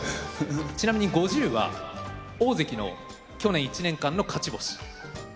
ちなみに「５０」は大関の去年１年間の勝ち星。